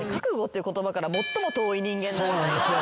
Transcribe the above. そうなんですよ。